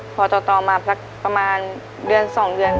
พอต่อมาประมาณเดือนสองเดือน